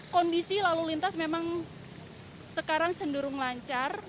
kondisi lalu lintas memang sekarang cenderung lancar